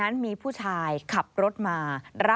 สวัสดีครับทุกคน